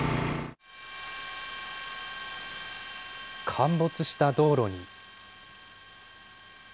陥没した道路に。